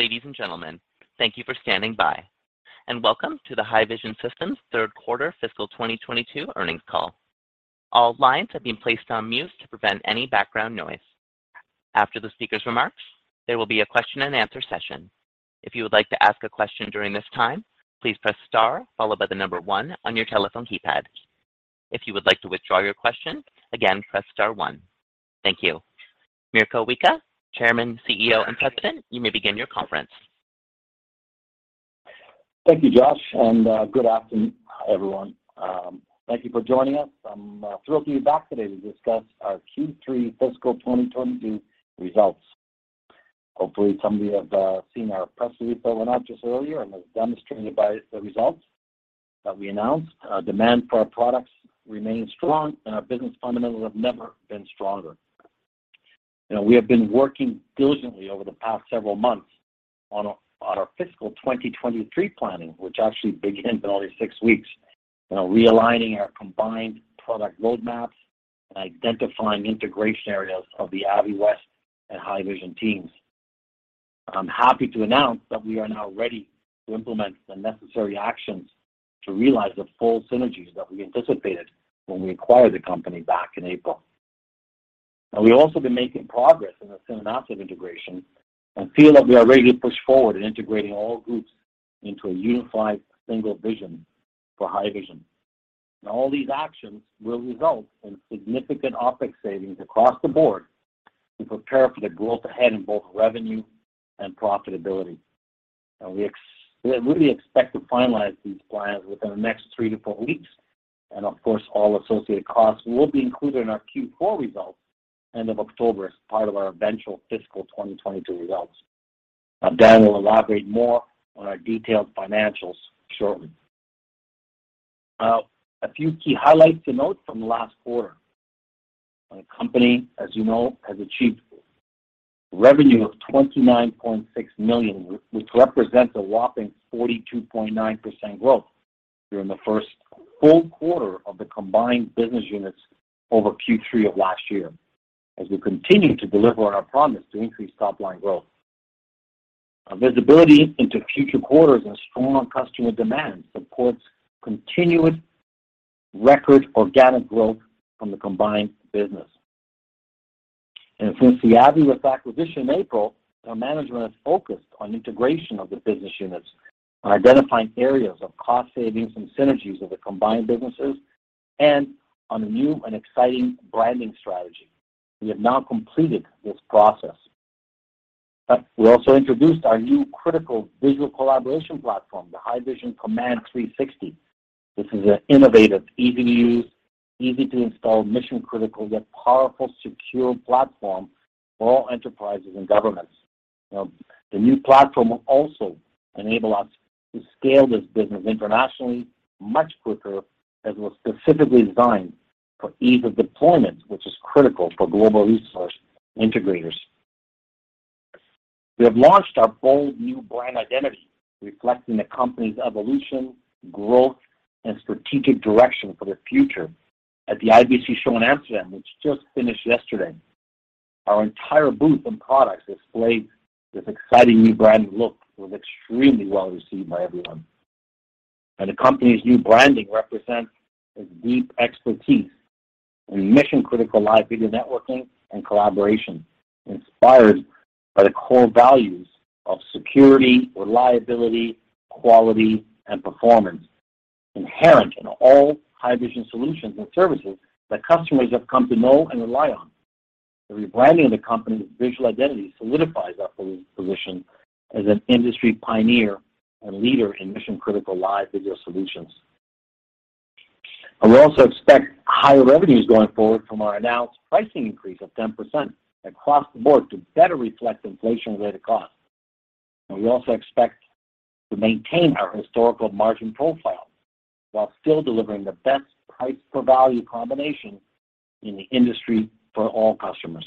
Ladies and gentlemen, thank you for standing by, and welcome to the Haivision Systems Third Quarter Fiscal 2022 Earnings Call. All lines have been placed on mute to prevent any background noise. After the speaker's remarks, there will be a question and answer session. If you would like to ask a question during this time, please press star followed by the number one on your telephone keypad. If you would like to withdraw your question, again, press star one. Thank you. Mirko Wicha, Chairman, CEO, and President, you may begin your conference. Thank you, Josh, and good afternoon, everyone. Thank you for joining us. I'm thrilled to be back today to discuss our Q3 Fiscal 2022 Results. Hopefully, some of you have seen our press release that went out just earlier and has been demonstrated by the results that we announced. Demand for our products remains strong, and our business fundamentals have never been stronger. You know, we have been working diligently over the past several months on our fiscal 2023 planning, which actually begins in only six weeks. You know, realigning our combined product roadmaps and identifying integration areas of the AVIWEST and Haivision teams. I'm happy to announce that we are now ready to implement the necessary actions to realize the full synergies that we anticipated when we acquired the company back in April. Now, we've also been making progress in the synergistic integration and feel that we are ready to push forward in integrating all groups into a unified single vision for Haivision. All these actions will result in significant OpEx savings across the board to prepare for the growth ahead in both revenue and profitability. We really expect to finalize these plans within the next three to four weeks. Of course, all associated costs will be included in our Q4 results end of October as part of our eventual fiscal 2022 results. Now, Dan will elaborate more on our detailed financials shortly. Now, a few key highlights to note from last quarter. The company, as you know, has achieved revenue of 29.6 million, which represents a whopping 42.9% growth during the first full quarter of the combined business units over Q3 of last year, as we continue to deliver on our promise to increase top-line growth. Our visibility into future quarters and strong customer demand supports continuous record organic growth from the combined business. Since the AVIWEST acquisition in April, our management has focused on integration of the business units on identifying areas of cost savings and synergies of the combined businesses and on a new and exciting branding strategy. We have now completed this process. We also introduced our new critical visual collaboration platform, the Haivision Command 360. This is an innovative, easy to use, easy to install, mission-critical, yet powerful, secure platform for all enterprises and governments. The new platform will also enable us to scale this business internationally much quicker, as it was specifically designed for ease of deployment, which is critical for global resource integrators. We have launched our bold new brand identity, reflecting the company's evolution, growth, and strategic direction for the future. At the IBC show in Amsterdam, which just finished yesterday, our entire booth and products displayed this exciting new brand look. It was extremely well-received by everyone. The company's new branding represents a deep expertise in mission-critical live video networking and collaboration, inspired by the core values of security, reliability, quality, and performance inherent in all Haivision solutions and services that customers have come to know and rely on. The rebranding of the company's visual identity solidifies our position as an industry pioneer and leader in mission-critical live video solutions. We also expect higher revenues going forward from our announced pricing increase of 10% across the board to better reflect inflation-related costs. We also expect to maintain our historical margin profile while still delivering the best price per value combination in the industry for all customers.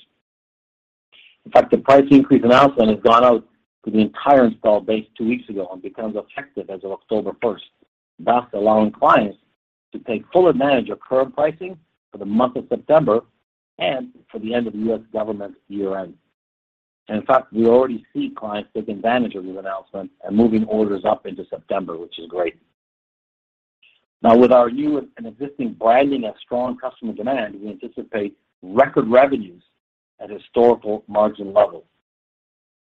In fact, the price increase announcement has gone out to the entire installed base two weeks ago and becomes effective as of October first, thus allowing clients to take full advantage of current pricing for the month of September and for the end of the U.S. government year-end. In fact, we already see clients taking advantage of this announcement and moving orders up into September, which is great. Now, with our new and existing branding and strong customer demand, we anticipate record revenues at historical margin levels.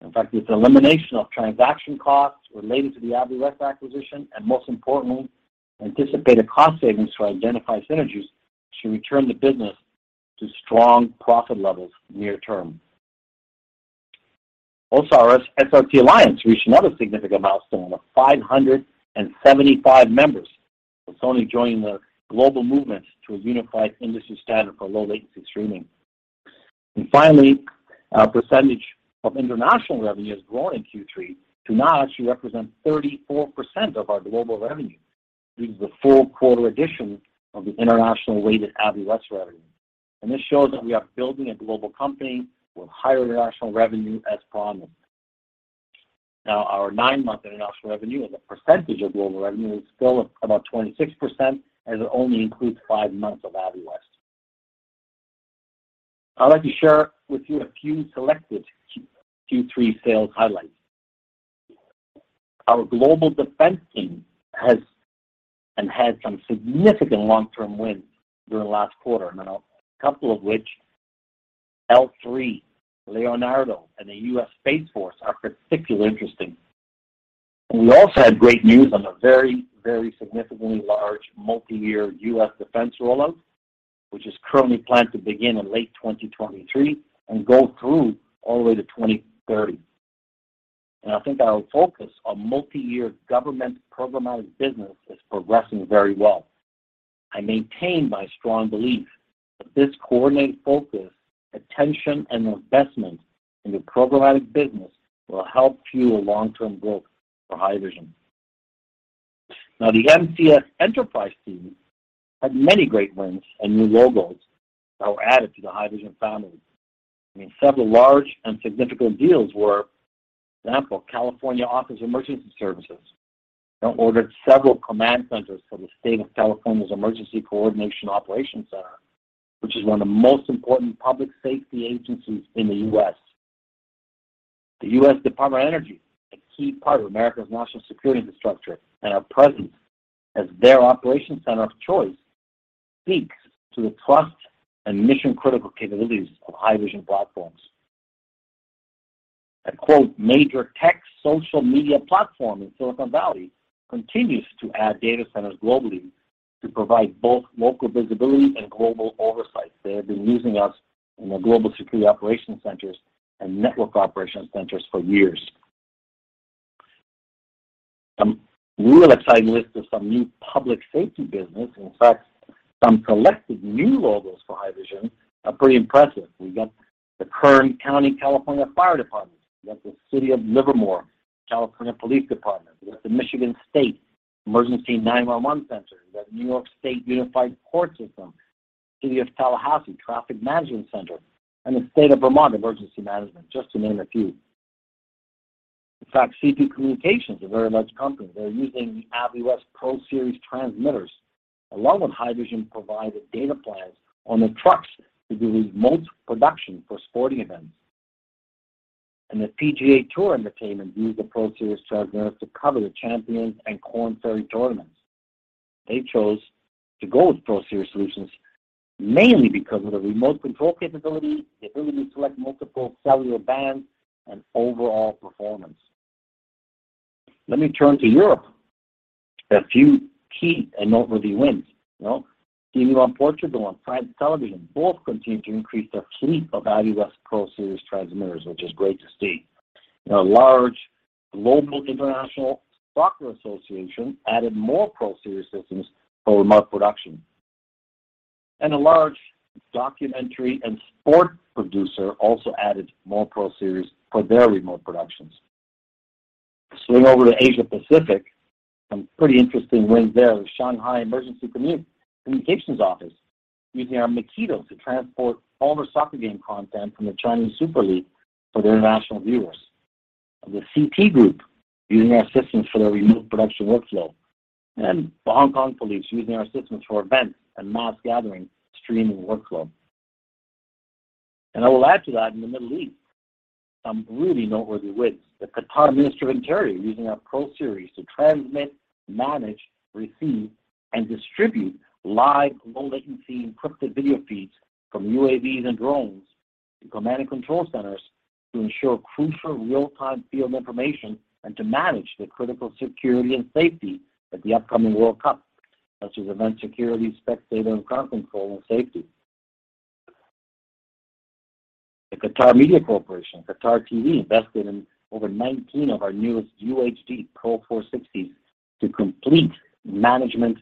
In fact, with the elimination of transaction costs related to the AVIWEST acquisition, and most importantly, anticipated cost savings to identify synergies to return the business to strong profit levels near term. Also, our SRT Alliance reached another significant milestone of 575 members, with Sony joining the global movement to a unified industry standard for low-latency streaming. Finally, our percentage of international revenue has grown in Q3 to now actually represent 34% of our global revenue due to the full quarter addition of the international-weighted AVIWEST revenue. This shows that we are building a global company with higher international revenue as promised. Now, our nine-month international revenue as a percentage of global revenue is still about 26%, and it only includes five months of AVIWEST. I'd like to share with you a few selected Q3 sales highlights. Our global defense team has and had some significant long-term wins during the last quarter, and a couple of which, L3Harris Technologies, Leonardo, and the U.S. Space Force are particularly interesting. We also had great news on a very, very significantly large multi-year U.S. defense rollout, which is currently planned to begin in late 2023 and go through all the way to 2030. I think our focus on multi-year government programmatic business is progressing very well. I ma.intain my strong belief that this coordinated focus, attention, and investment in the programmatic business will help fuel long-term growth for Haivision. Now, the MCS enterprise team had many great wins and new logos that were added to the Haivision family. I mean, several large and significant deals were, for example, California Governor's Office of Emergency Services. They ordered several command centers for the California Governor's Office of Emergency Services, which is one of the most important public safety agencies in the U.S. The U.S. Department of Energy, a key part of America's national security infrastructure, and our presence as their operation center of choice speaks to the trust and mission-critical capabilities of Haivision platforms. A major tech social media platform in Silicon Valley continues to add data centers globally to provide both local visibility and global oversight. They have been using us in their global security operation centers and network operation centers for years. Some really exciting list of some new public safety business. In fact, some selected new logos for Haivision are pretty impressive. We got the Kern County Fire Department. We got the Livermore Police Department. We got the Michigan State Emergency 911 Center. We got New York State Unified Court System, City of Tallahassee Regional Transportation Management Center, and Vermont Emergency Management, just to name a few. In fact, CP Communications, a very large company, they're using the AVIWEST PRO Series transmitters along with Haivision-provided data plans on their trucks to do remote production for sporting events. The PGA TOUR Entertainment used the PRO Series transmitters to cover the Champions and Korn Ferry Tournaments. They chose to go with PRO Series solutions mainly because of the remote control capability, the ability to select multiple cellular bands, and overall performance. Let me turn to Europe. A few key and noteworthy wins. You know, RTP and France Télévisions both continue to increase their fleet of AVIWEST PRO Series transmitters, which is great to see. A large global international soccer association added more PRO Series systems for remote production. A large documentary and sports producer also added more PRO Series for their remote productions. Swing over to Asia Pacific, some pretty interesting wins there. The Shanghai Emergency Communications Office using our Makito to transport all their soccer game content from the Chinese Super League for their international viewers. The Creative Technology using our systems for their remote production workflow. The Hong Kong Police Force using our systems for events and mass gathering streaming workflow. I will add to that in the Middle East, some really noteworthy wins. The Qatar Ministry of Interior using our PRO Series to transmit, manage, receive, and distribute live low-latency encrypted video feeds from UAVs and drones to command and control centers to ensure crucial real-time field information and to manage the critical security and safety at the upcoming World Cup, such as event security, spectator and crowd control, and safety. The Qatar Media Corporation, Qatar TV, invested in over 19 of our newest UHD Pro460s to complement management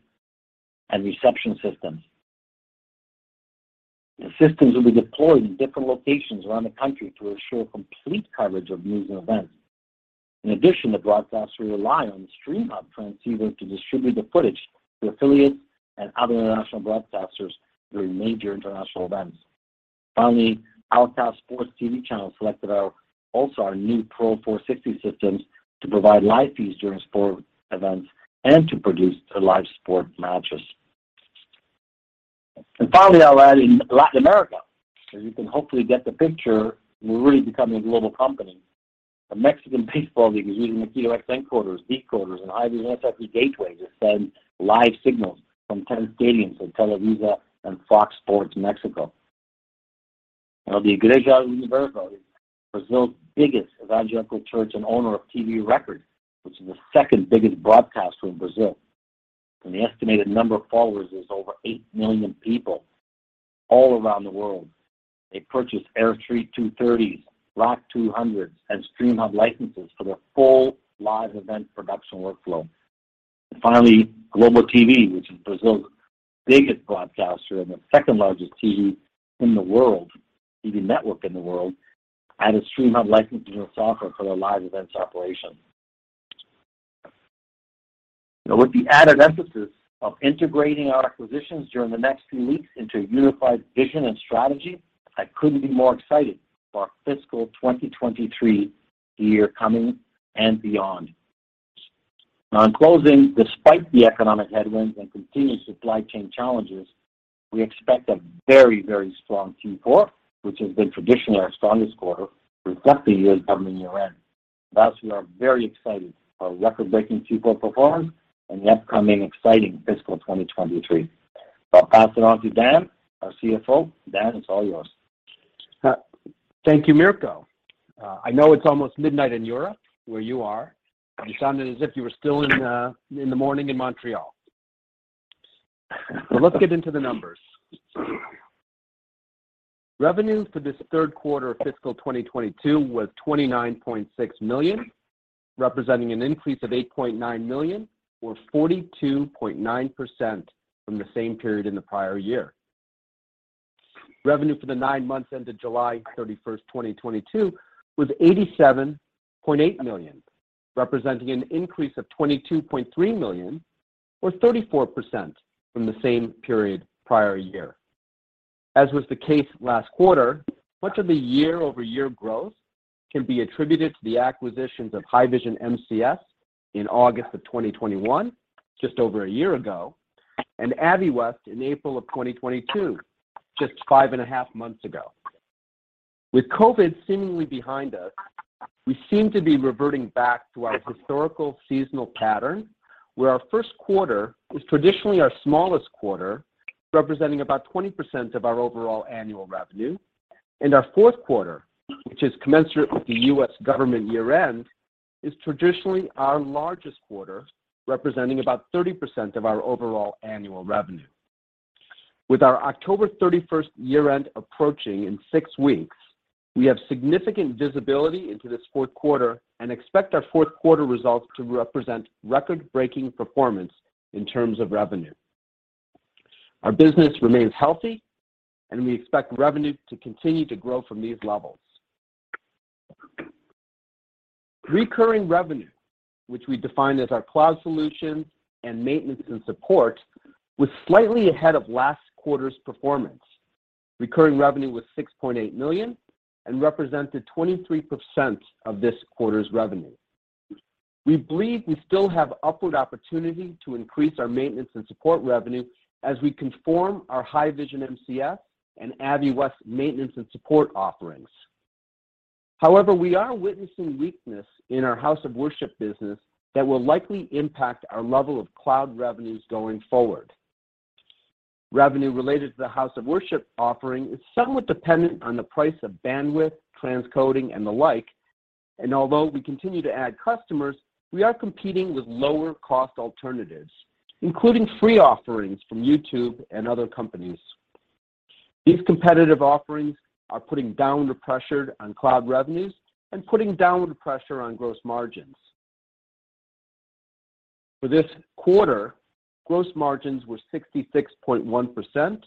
and reception systems. The systems will be deployed in different locations around the country to ensure complete coverage of news and events. In addition, the broadcaster will rely on the StreamHub transceiver to distribute the footage to affiliates and other international broadcasters during major international events. Finally, AlKass Sports Channels selected our new PRO460 systems to provide live feeds during sport events and to produce their live sport matches. Finally, I'll add in Latin America, so you can hopefully get the picture we're really becoming a global company. A Mexican baseball league is using Makito X encoders, decoders, and Haivision SRT Gateways to send live signals from 10 stadiums to Televisa and Fox Sports Mexico. The Igreja Universal, Brazil's biggest evangelical church and owner of RecordTV, which is the second-biggest broadcaster in Brazil, and the estimated number of followers is over 8 million people all around the world. They purchased AIR320s, RACK200s, and StreamHub licenses for their full live event production workflow. Finally, TV Globo, which is Brazil's biggest broadcaster and the second-largest TV network in the world, added StreamHub licenses and software for their live events operation. With the added emphasis of integrating our acquisitions during the next few weeks into a unified vision and strategy, I couldn't be more excited for our fiscal 2023 year coming and beyond. Now in closing, despite the economic headwinds and continued supply chain challenges, we expect a very, very strong Q4, which has been traditionally our strongest quarter, reflective of the U.S. government year-end. Thus, we are very excited for a record-breaking Q4 performance in the upcoming exciting fiscal 2023. I'll pass it on to Dan, our CFO. Dan, it's all yours. Thank you, Mirko. I know it's almost midnight in Europe, where you are. You sounded as if you were still in the morning in Montreal. Let's get into the numbers. Revenue for this third quarter of fiscal 2022 was 29.6 million, representing an increase of 8.9 million or 42.9% from the same period in the prior year. Revenue for the nine months ended July 31, 2022 was 87.8 million, representing an increase of 22.3 million or 34% from the same period prior year. As was the case last quarter, much of the year-over-year growth can be attributed to the acquisitions of Haivision MCS in August 2021, just over a year ago, and AVIWEST in April 2022, just five and a half months ago. With COVID seemingly behind us, we seem to be reverting back to our historical seasonal pattern, where our first quarter is traditionally our smallest quarter, representing about 20% of our overall annual revenue. Our fourth quarter, which is commensurate with the U.S. government year-end, is traditionally our largest quarter, representing about 30% of our overall annual revenue. With our October thirty-first year-end approaching in six weeks, we have significant visibility into this fourth quarter and expect our fourth quarter results to represent record-breaking performance in terms of revenue. Our business remains healthy, and we expect revenue to continue to grow from these levels. Recurring revenue, which we define as our cloud solutions and maintenance and support, was slightly ahead of last quarter's performance. Recurring revenue was 6.8 million and represented 23% of this quarter's revenue. We believe we still have upward opportunity to increase our maintenance and support revenue as we conform our Haivision MCS and AVIWEST maintenance and support offerings. However, we are witnessing weakness in our House of Worship business that will likely impact our level of cloud revenues going forward. Revenue related to the House of Worship offering is somewhat dependent on the price of bandwidth, transcoding, and the like. Although we continue to add customers, we are competing with lower-cost alternatives, including free offerings from YouTube and other companies. These competitive offerings are putting downward pressure on cloud revenues and putting downward pressure on gross margins. For this quarter, gross margins were 66.1%,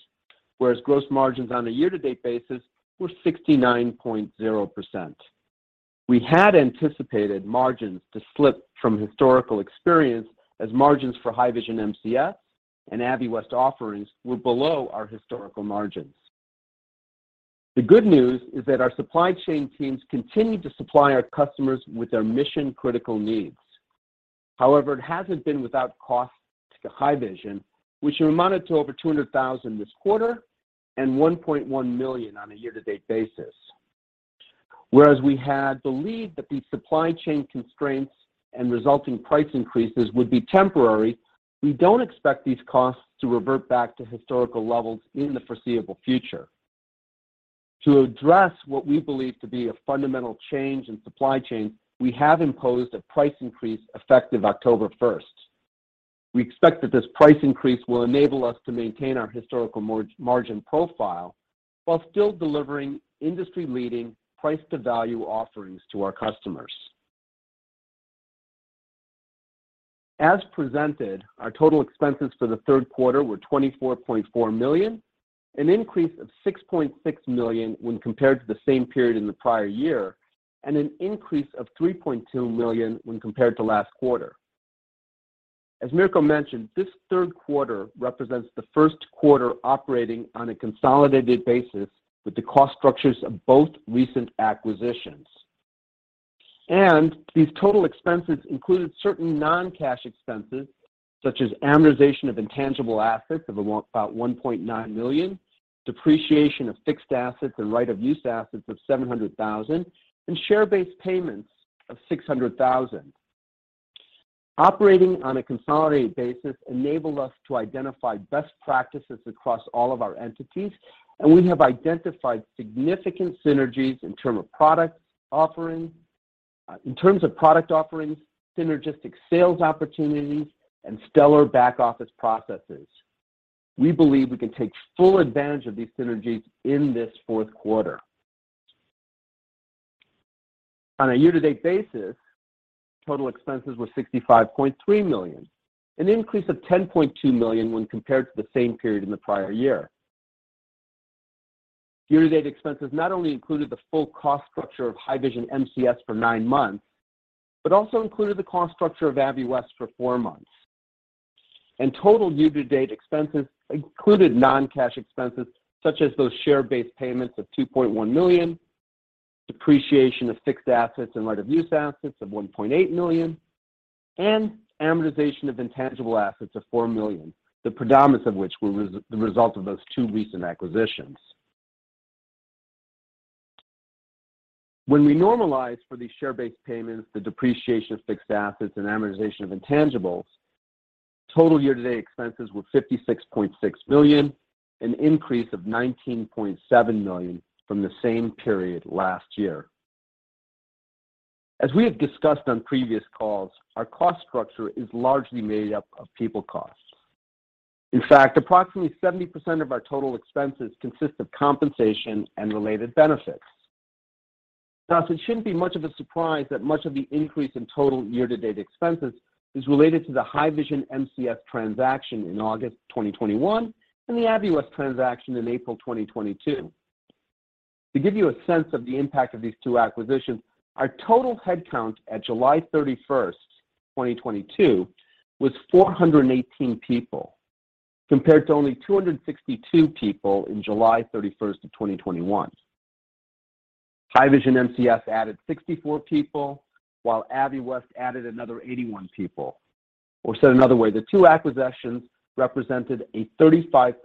whereas gross margins on a year-to-date basis were 69.0%. We had anticipated margins to slip from historical experience as margins for Haivision MCS and AVIWEST offerings were below our historical margins. The good news is that our supply chain teams continued to supply our customers with their mission-critical needs. However, it hasn't been without cost to Haivision, which amounted to over 200,000 this quarter and 1.1 million on a year-to-date basis. Whereas we had believed that these supply chain constraints and resulting price increases would be temporary, we don't expect these costs to revert back to historical levels in the foreseeable future. To address what we believe to be a fundamental change in supply chain, we have imposed a price increase effective October first. We expect that this price increase will enable us to maintain our historical margin profile while still delivering industry-leading price to value offerings to our customers. As presented, our total expenses for the third quarter were 24.4 million, an increase of 6.6 million when compared to the same period in the prior year, and an increase of 3.2 million when compared to last quarter. As Mirko mentioned, this third quarter represents the first quarter operating on a consolidated basis with the cost structures of both recent acquisitions. These total expenses included certain non-cash expenses, such as amortization of intangible assets of about 1.9 million, depreciation of fixed assets and right of use assets of 700 thousand, and share-based payments of 600 thousand. Operating on a consolidated basis enabled us to identify best practices across all of our entities, and we have identified significant synergies in terms of product offerings, synergistic sales opportunities, and stellar back office processes. We believe we can take full advantage of these synergies in this fourth quarter. On a year-to-date basis, total expenses were 65.3 million, an increase of 10.2 million when compared to the same period in the prior year. Year-to-date expenses not only included the full cost structure of Haivision MCS for nine months, but also included the cost structure of AVIWEST for four months. Total year-to-date expenses included non-cash expenses, such as those share-based payments of 2.1 million, depreciation of fixed assets and right of use assets of 1.8 million, and amortization of intangible assets of 4 million, the predominance of which were the result of those two recent acquisitions. When we normalize for these share-based payments, the depreciation of fixed assets, and amortization of intangibles, total year-to-date expenses were 56.6 million, an increase of 19.7 million from the same period last year. As we have discussed on previous calls, our cost structure is largely made up of people costs. In fact, approximately 70% of our total expenses consist of compensation and related benefits. Thus, it shouldn't be much of a surprise that much of the increase in total year-to-date expenses is related to the Haivision MCS transaction in August 2021 and the AVIWEST transaction in April 2022. To give you a sense of the impact of these two acquisitions, our total headcount at July 31, 2022 was 418 people, compared to only 262 people in July 31 of 2021. Haivision MCS added 64 people, while AVIWEST added another 81 people. Or said another way, the two acquisitions represented a 35%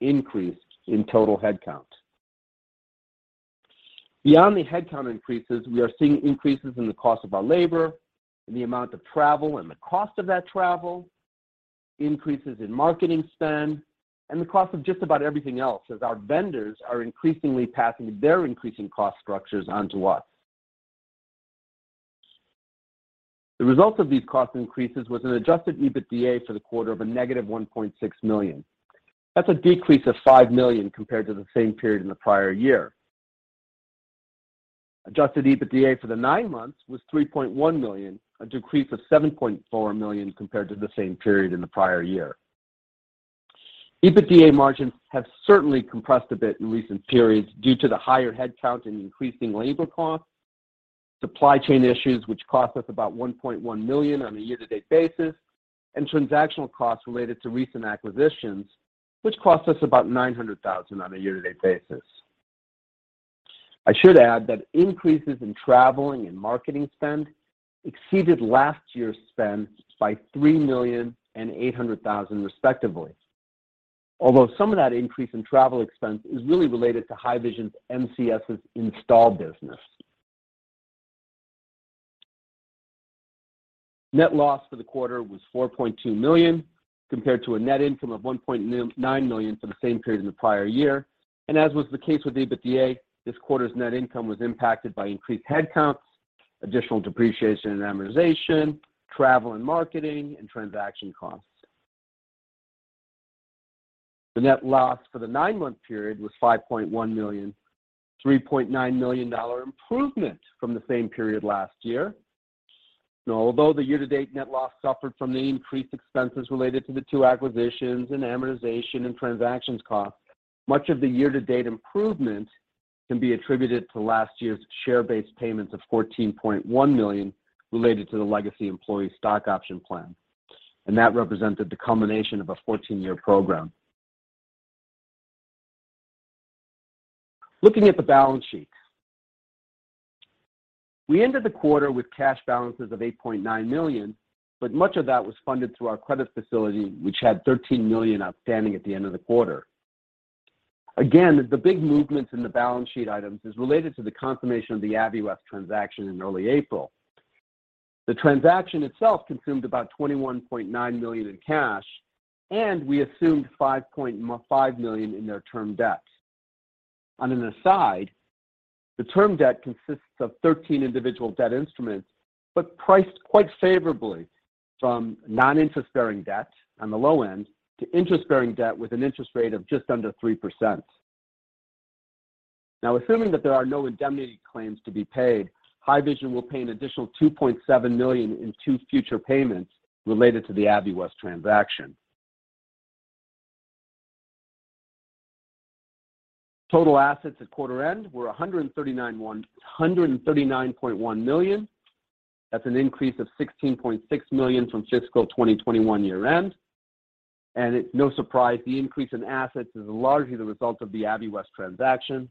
increase in total headcount. Beyond the headcount increases, we are seeing increases in the cost of our labor, in the amount of travel and the cost of that travel, increases in marketing spend, and the cost of just about everything else as our vendors are increasingly passing their increasing cost structures on to us. The result of these cost increases was an adjusted EBITDA for the quarter of -1.6 million. That's a decrease of 5 million compared to the same period in the prior year. Adjusted EBITDA for the nine months was 3.1 million, a decrease of 7.4 million compared to the same period in the prior year. EBITDA margins have certainly compressed a bit in recent periods due to the higher headcount and increasing labor costs, supply chain issues which cost us about 1.1 million on a year-to-date basis, and transactional costs related to recent acquisitions, which cost us about 900 thousand on a year-to-date basis. I should add that increases in traveling and marketing spend exceeded last year's spend by 3 million and 800 thousand respectively. Although some of that increase in travel expense is really related to Haivision's MCS's install business. Net loss for the quarter was 4.2 million, compared to a net income of 1.9 million for the same period in the prior year. As was the case with EBITDA, this quarter's net income was impacted by increased headcounts, additional depreciation and amortization, travel and marketing, and transaction costs. The net loss for the nine-month period was $5.1 million, a $3.9 million improvement from the same period last year. Now, although the year-to-date net loss suffered from the increased expenses related to the two acquisitions and amortization and transactions costs, much of the year-to-date improvement can be attributed to last year's share-based payments of $14.1 million related to the legacy employee stock option plan. That represented the culmination of a fourteen-year program. Looking at the balance sheet. We ended the quarter with cash balances of $8.9 million, but much of that was funded through our credit facility, which had $13 million outstanding at the end of the quarter. Again, the big movements in the balance sheet items is related to the confirmation of the AVIWEST transaction in early April. The transaction itself consumed about 21.9 million in cash, and we assumed 5.5 million in their term debt. On an aside, the term debt consists of 13 individual debt instruments, but priced quite favorably from non-interest bearing debt on the low end to interest-bearing debt with an interest rate of just under 3%. Now, assuming that there are no indemnity claims to be paid, Haivision will pay an additional 2.7 million in two future payments related to the AVIWEST transaction. Total assets at quarter end were 139.1 million. That's an increase of 16.6 million from fiscal 2021 year-end. It's no surprise the increase in assets is largely the result of the AVIWEST transaction.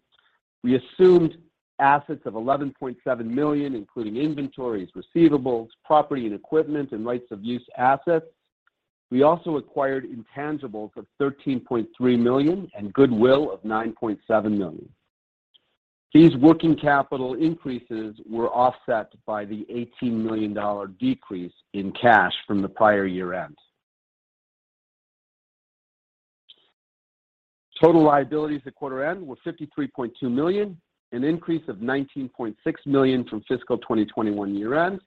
We assumed assets of 11.7 million, including inventories, receivables, property and equipment, and rights of use assets. We also acquired intangibles of 13.3 million and goodwill of 9.7 million. These working capital increases were offset by the 18 million dollar decrease in cash from the prior year-end. Total liabilities at quarter end were 53.2 million, an increase of 19.6 million from fiscal 2021 year-end.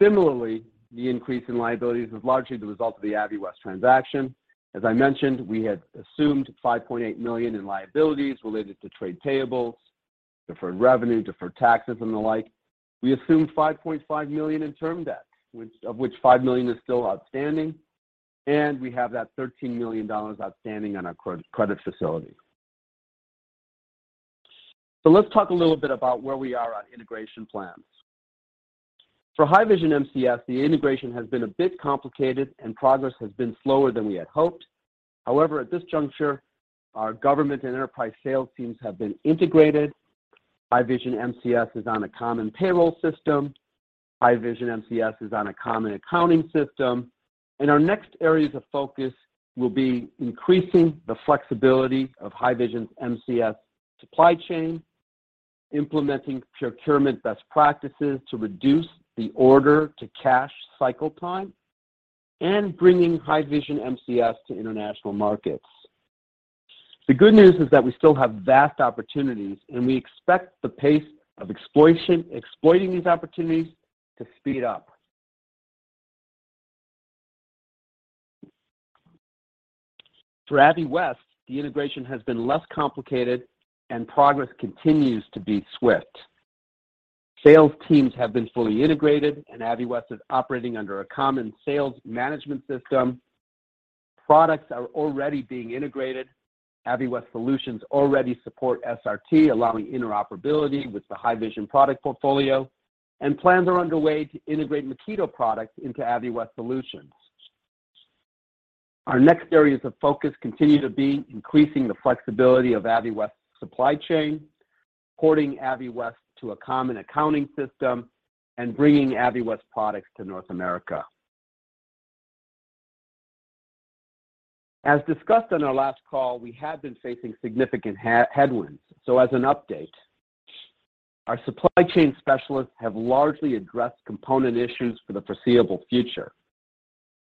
Similarly, the increase in liabilities was largely the result of the AVIWEST transaction. As I mentioned, we had assumed 5.8 million in liabilities related to trade payables, deferred revenue, deferred taxes, and the like. We assumed 5.5 million in term debt, of which 5 million is still outstanding, and we have that 13 million dollars outstanding on our credit facility. Let's talk a little bit about where we are on integration plans. For Haivision MCS, the integration has been a bit complicated and progress has been slower than we had hoped. However, at this juncture, our government and enterprise sales teams have been integrated. Haivision MCS is on a common payroll system. Haivision MCS is on a common accounting system. Our next areas of focus will be increasing the flexibility of Haivision's MCS supply chain, implementing procurement best practices to reduce the order-to-cash cycle time, and bringing Haivision MCS to international markets. The good news is that we still have vast opportunities, and we expect the pace of exploiting these opportunities to speed up. For AVIWEST, the integration has been less complicated and progress continues to be swift. Sales teams have been fully integrated, and AVIWEST is operating under a common sales management system. Products are already being integrated. AVIWEST solutions already support SRT, allowing interoperability with the Haivision product portfolio, and plans are underway to integrate Makito products into AVIWEST solutions. Our next areas of focus continue to be increasing the flexibility of AVIWEST's supply chain, porting AVIWEST to a common accounting system, and bringing AVIWEST products to North America. As discussed on our last call, we have been facing significant headwinds. As an update, our supply chain specialists have largely addressed component issues for the foreseeable future.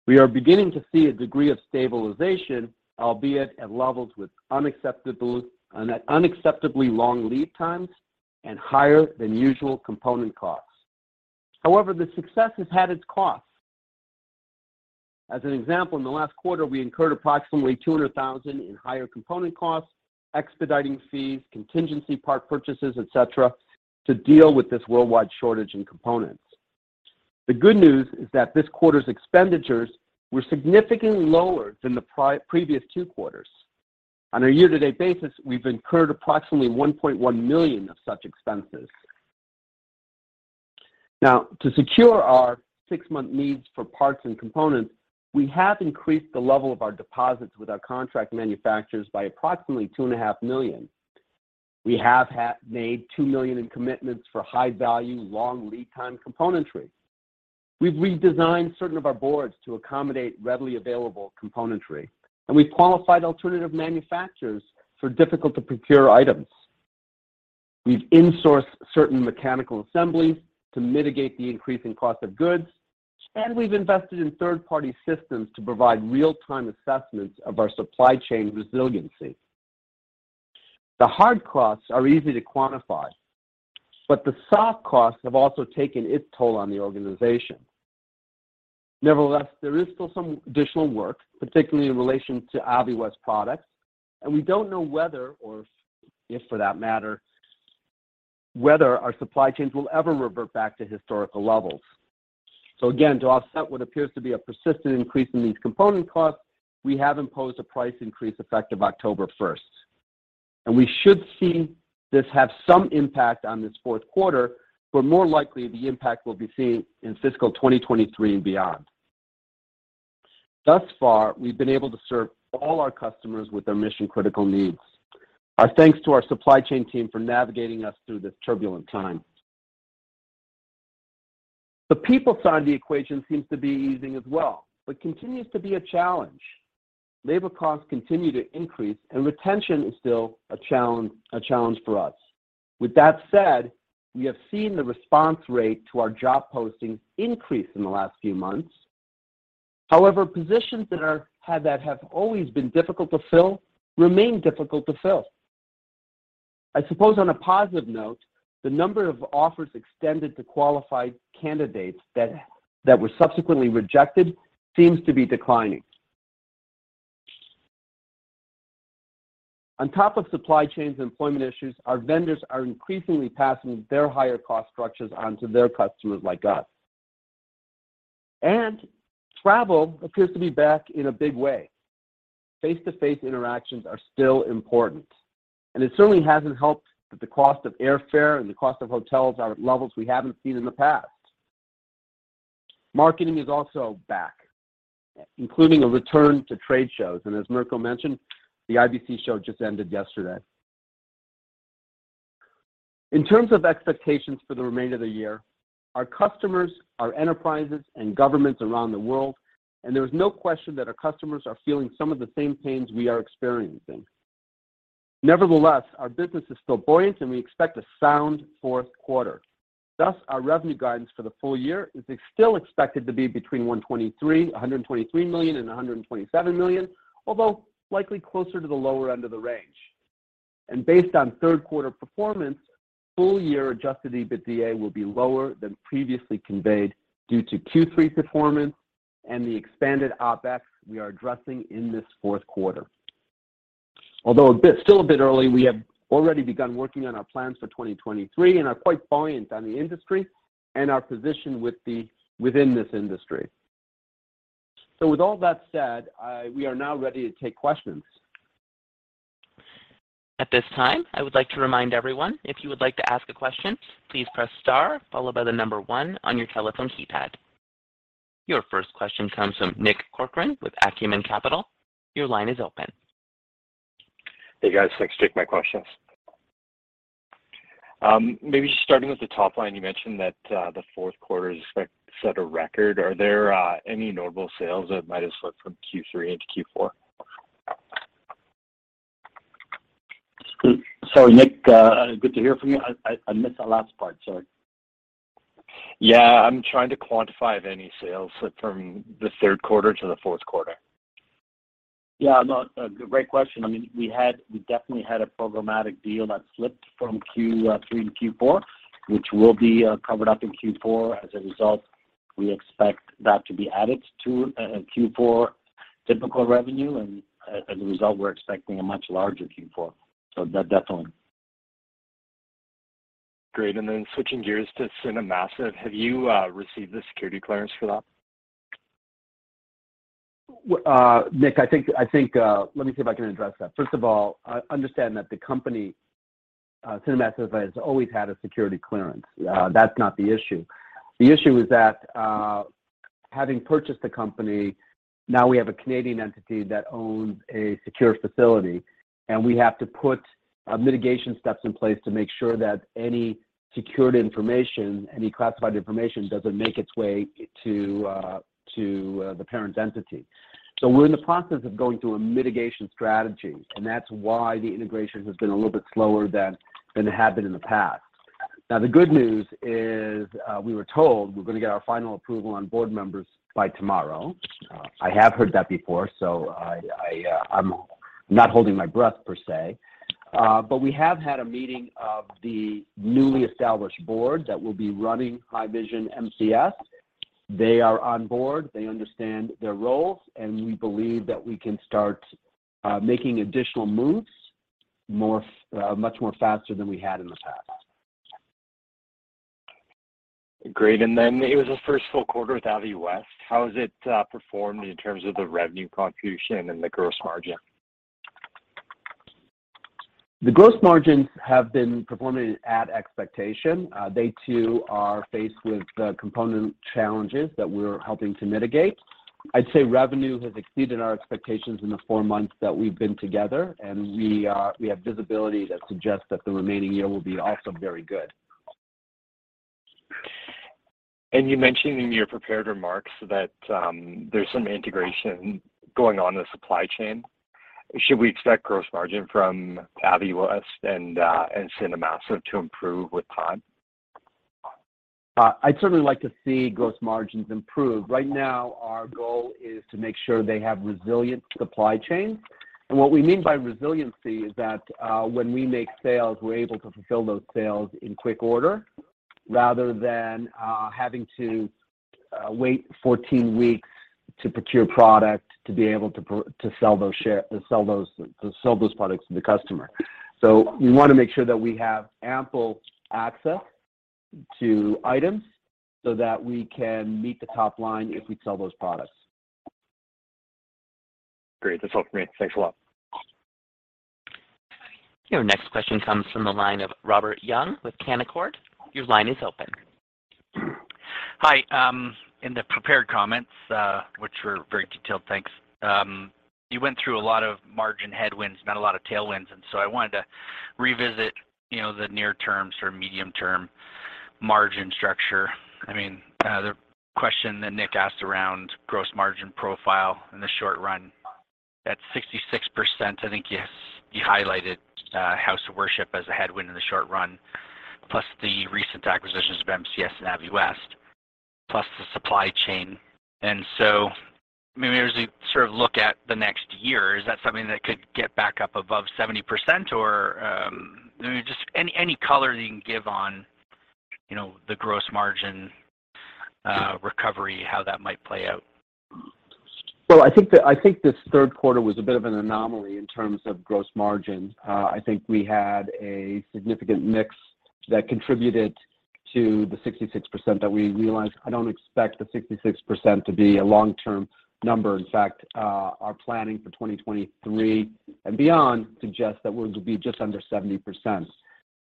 We are beginning to see a degree of stabilization, albeit at levels with unacceptably long lead times and higher than usual component costs. However, this success has had its costs. As an example, in the last quarter, we incurred approximately 200 thousand in higher component costs, expediting fees, contingency part purchases, et cetera, to deal with this worldwide shortage in components. The good news is that this quarter's expenditures were significantly lower than the previous two quarters. On a year-to-date basis, we've incurred approximately 1.1 million of such expenses. Now, to secure our six-month needs for parts and components, we have increased the level of our deposits with our contract manufacturers by approximately 2.5 million. We have made 2 million in commitments for high-value, long lead time componentry. We've redesigned certain of our boards to accommodate readily available componentry, and we've qualified alternative manufacturers for difficult-to-procure items. We've insourced certain mechanical assemblies to mitigate the increasing cost of goods, and we've invested in third-party systems to provide real-time assessments of our supply chain resiliency. The hard costs are easy to quantify, but the soft costs have also taken its toll on the organization. Nevertheless, there is still some additional work, particularly in relation to AVIWEST products, and we don't know whether, or if for that matter, whether our supply chains will ever revert back to historical levels. Again, to offset what appears to be a persistent increase in these component costs, we have imposed a price increase effective October first, and we should see this have some impact on this fourth quarter, but more likely the impact will be seen in fiscal 2023 and beyond. Thus far, we've been able to serve all our customers with their mission-critical needs. Our thanks to our supply chain team for navigating us through this turbulent time. The people side of the equation seems to be easing as well, but continues to be a challenge. Labor costs continue to increase and retention is still a challenge, a challenge for us. With that said, we have seen the response rate to our job postings increase in the last few months. However, positions that have always been difficult to fill remain difficult to fill. I suppose on a positive note, the number of offers extended to qualified candidates that were subsequently rejected seems to be declining. On top of supply chains and employment issues, our vendors are increasingly passing their higher cost structures onto their customers like us. Travel appears to be back in a big way. Face-to-face interactions are still important, and it certainly hasn't helped that the cost of airfare and the cost of hotels are at levels we haven't seen in the past. Marketing is also back, including a return to trade shows. As Mirko mentioned, the IBC show just ended yesterday. In terms of expectations for the remainder of the year, our customers are enterprises and governments around the world, and there is no question that our customers are feeling some of the same pains we are experiencing. Nevertheless, our business is still buoyant and we expect a sound fourth quarter. Thus, our revenue guidance for the full year is still expected to be between 123 million and 127 million, although likely closer to the lower end of the range. Based on third quarter performance, full year adjusted EBITDA will be lower than previously conveyed due to Q3 performance and the expanded OpEx we are addressing in this fourth quarter. Although still a bit early, we have already begun working on our plans for 2023 and are quite buoyant on the industry and our position within this industry. With all that said, we are now ready to take questions. At this time, I would like to remind everyone, if you would like to ask a question, please press star followed by the number one on your telephone keypad. Your first question comes from Nick Corcoran with Acumen Capital. Your line is open. Hey, guys. Thanks. Jake, my questions. Maybe just starting with the top line, you mentioned that the fourth quarter is expected to set a record. Are there any notable sales that might have slipped from Q3 into Q4? Sorry, Nick, good to hear from you. I missed that last part, sorry. Yeah. I'm trying to quantify if any sales slipped from the third quarter to the fourth quarter. Yeah, no, great question. I mean, we definitely had a programmatic deal that slipped from Q3 to Q4, which will be covered up in Q4 as a result. We expect that to be added to Q4 typical revenue, and as a result, we're expecting a much larger Q4, so definitely. Great. Switching gears to CineMassive, have you received the security clearance for that? Nick, I think. Let me see if I can address that. First of all, understand that the company, CineMassive has always had a security clearance. That's not the issue. The issue is that, having purchased the company, now we have a Canadian entity that owns a secure facility, and we have to put mitigation steps in place to make sure that any secured information, any classified information doesn't make its way to the parent entity. We're in the process of going through a mitigation strategy, and that's why the integration has been a little bit slower than it had been in the past. Now, the good news is, we were told we're gonna get our final approval on board members by tomorrow. I have heard that before, so I'm not holding my breath per se. We have had a meeting of the newly established board that will be running Haivision MCS. They are on board. They understand their roles, and we believe that we can start making additional moves much more faster than we had in the past. Great. Then it was the first full quarter with AVIWEST. How has it performed in terms of the revenue contribution and the gross margin? The gross margins have been performing at expectation. They too are faced with the component challenges that we're helping to mitigate. I'd say revenue has exceeded our expectations in the four months that we've been together, and we have visibility that suggests that the remaining year will be also very good. You mentioned in your prepared remarks that there's some integration going on in the supply chain. Should we expect gross margin from AVIWEST and CineMassive to improve with time? I'd certainly like to see gross margins improve. Right now our goal is to make sure they have resilient supply chains. What we mean by resiliency is that, when we make sales, we're able to fulfill those sales in quick order rather than having to wait 14 weeks to procure product to be able to sell those products to the customer. We wanna make sure that we have ample access to items so that we can meet the top line if we sell those products. Great. That's all great. Thanks a lot. Your next question comes from the line of Robert Young with Canaccord. Your line is open. Hi. In the prepared comments, which were very detailed, thanks, you went through a lot of margin headwinds, not a lot of tailwinds, and so I wanted to revisit, you know, the near term, sort of medium term margin structure. I mean, the question that Nick asked around gross margin profile in the short run, at 66%, I think you highlighted, House of Worship as a headwind in the short run, plus the recent acquisitions of MCS and AVIWEST, plus the supply chain. I mean, as we sort of look at the next year, is that something that could get back up above 70% or. I mean, just any color that you can give on, you know, the gross margin, recovery, how that might play out. Well, I think this third quarter was a bit of an anomaly in terms of gross margin. I think we had a significant mix that contributed to the 66% that we realized. I don't expect the 66% to be a long-term number. In fact, our planning for 2023 and beyond suggests that we're gonna be just under 70%.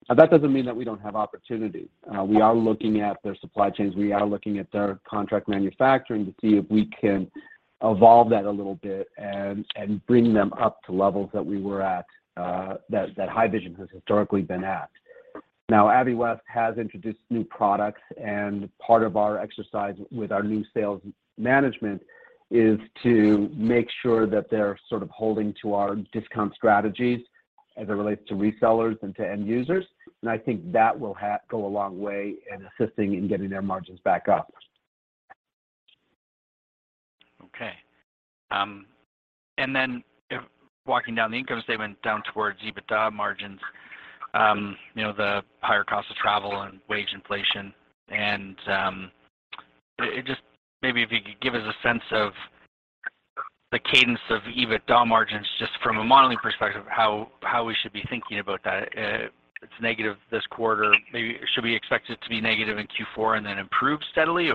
Now, that doesn't mean that we don't have opportunities. We are looking at their supply chains. We are looking at their contract manufacturing to see if we can evolve that a little bit and bring them up to levels that we were at, that Haivision has historically been at. Now, AVIWEST has introduced new products, and part of our exercise with our new sales management is to make sure that they're sort of holding to our discount strategies as it relates to resellers and to end users. I think that will go a long way in assisting in getting their margins back up. Okay. If walking down the income statement down towards EBITDA margins, you know, the higher cost of travel and wage inflation. Maybe if you could give us a sense of the cadence of EBITDA margins, just from a modeling perspective, how we should be thinking about that? It's negative this quarter. Maybe should we expect it to be negative in Q4 and then improve steadily?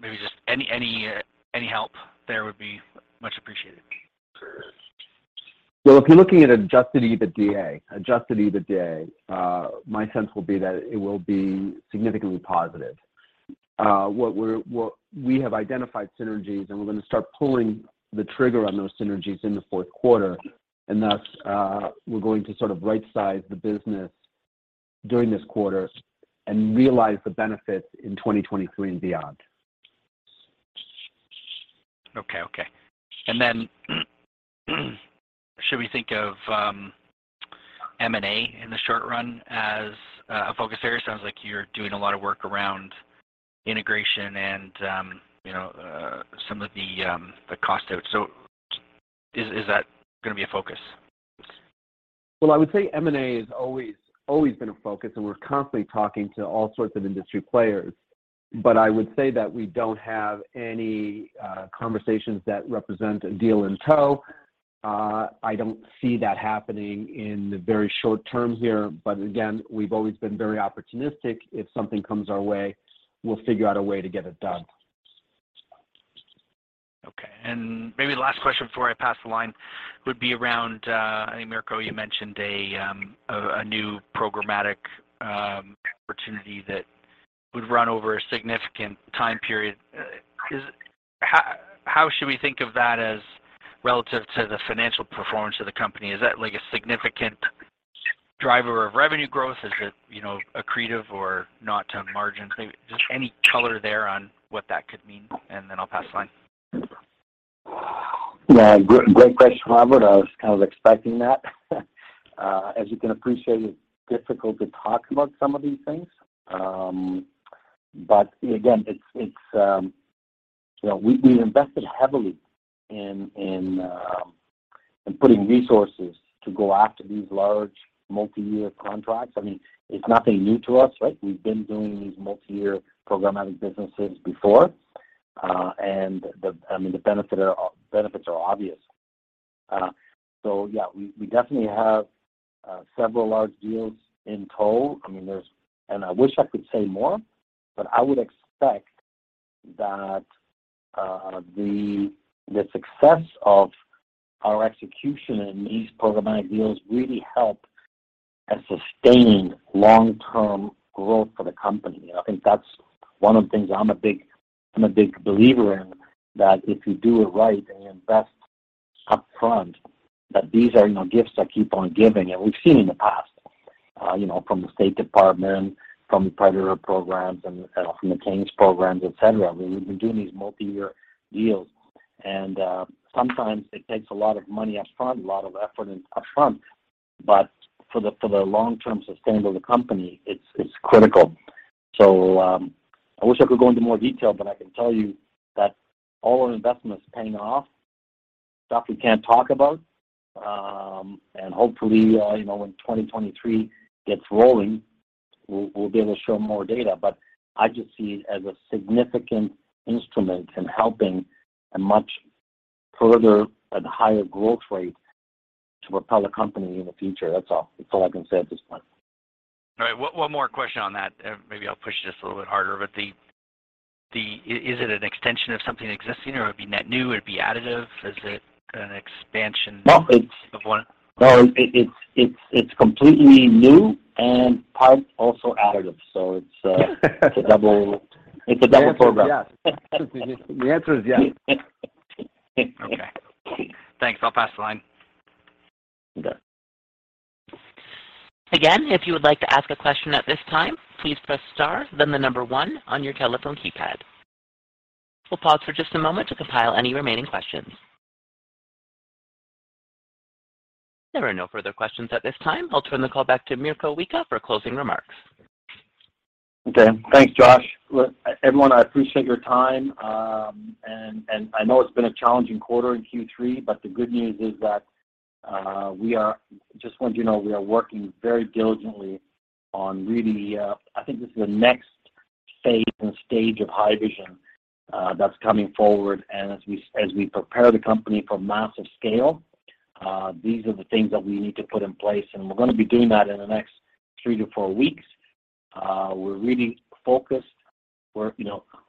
Maybe just any help there would be much appreciated. Well, if you're looking at adjusted EBITDA, my sense will be that it will be significantly positive. We have identified synergies, and we're gonna start pulling the trigger on those synergies in the fourth quarter, and thus, we're going to sort of right-size the business during this quarter and realize the benefits in 2023 and beyond. Okay. Should we think of M&A in the short run as a focus area? Sounds like you're doing a lot of work around integration and you know some of the cost outs. Is that gonna be a focus? Well, I would say M&A has always been a focus, and we're constantly talking to all sorts of industry players. I would say that we don't have any conversations that represent a deal in tow. I don't see that happening in the very short term here. Again, we've always been very opportunistic. If something comes our way, we'll figure out a way to get it done. Okay. Maybe the last question before I pass the line would be around, I think, Mirko, you mentioned a new programmatic opportunity that would run over a significant time period. How should we think of that as relative to the financial performance of the company? Is that, like, a significant driver of revenue growth? Is it, you know, accretive or not to margins? Maybe just any color there on what that could mean, and then I'll pass the line. Yeah. Great question, Robert. I was kind of expecting that. As you can appreciate, it's difficult to talk about some of these things. Again, it's you know, we've invested heavily in putting resources to go after these large multi-year contracts. I mean, it's nothing new to us, right? We've been doing these multi-year programmatic businesses before. The benefits are obvious. Yeah, we definitely have several large deals in tow. I wish I could say more, but I would expect that the success of our execution in these programmatic deals really help and sustain long-term growth for the company. I think that's one of the things I'm a big believer in, that if you do it right and you invest upfront, that these are, you know, gifts that keep on giving. We've seen in the past, you know, from the State Department, from the Predator programs and from the change programs, et cetera, we've been doing these multi-year deals. Sometimes it takes a lot of money upfront, a lot of effort upfront, but for the long-term sustainability of the company, it's critical. I wish I could go into more detail, but I can tell you that all our investments are paying off. Stuff we can't talk about, and hopefully, you know, when 2023 gets rolling, we'll be able to show more data. I just see it as a significant instrument in helping a much further and higher growth rate to propel the company in the future. That's all. That's all I can say at this point. All right. One more question on that. Maybe I'll push this a little bit harder. Is it an extension of something existing or it'd be net new? It'd be additive? Is it an expansion? No, it's. of one? No. It's completely new and partly also additive. It's a double program. The answer is yes. The answer is yes. Okay. Thanks. I'll pass the line. You bet. Again, if you would like to ask a question at this time, please press star then the number one on your telephone keypad. We'll pause for just a moment to compile any remaining questions. There are no further questions at this time. I'll turn the call back to Mirko Wicha for closing remarks. Okay. Thanks, Josh. Look, everyone, I appreciate your time. I know it's been a challenging quarter in Q3, but the good news is that. Just want you to know we are working very diligently on really, I think this is the next phase and stage of Haivision that's coming forward. As we prepare the company for massive scale, these are the things that we need to put in place, and we're gonna be doing that in the next three to four weeks. We're really focused. We're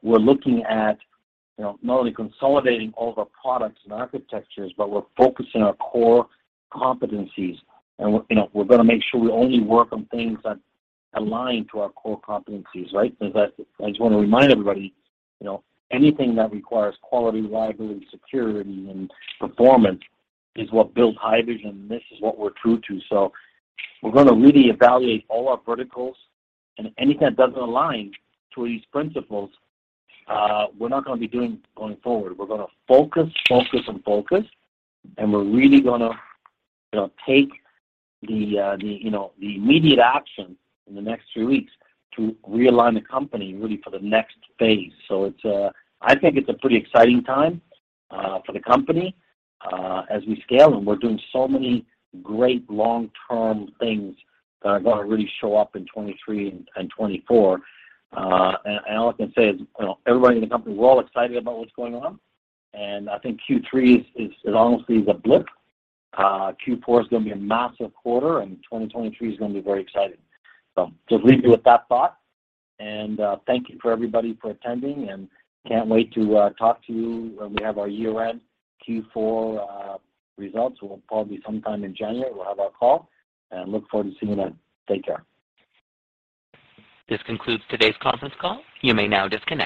looking at, you know, not only consolidating all of our products and architectures, but we're focusing our core competencies and we're, you know, we're gonna make sure we only work on things that align to our core competencies, right? I just wanna remind everybody, you know, anything that requires quality, reliability, security, and performance is what builds Haivision. This is what we're true to. We're gonna really evaluate all our verticals, and anything that doesn't align to these principles, we're not gonna be doing going forward. We're gonna focus, and focus, and we're really gonna, you know, take the immediate action in the next few weeks to realign the company really for the next phase. I think it's a pretty exciting time for the company as we scale. We're doing so many great long-term things that are gonna really show up in 2023 and 2024. All I can say is, you know, everybody in the company, we're all excited about what's going on, and I think Q3 is honestly a blip. Q4 is gonna be a massive quarter, and 2023 is gonna be very exciting. Just leave you with that thought, and thank you for everybody for attending, and can't wait to talk to you when we have our year-end Q4 results. We'll probably sometime in January we'll have our call, and look forward to seeing you then. Take care. This concludes today's conference call. You may now disconnect.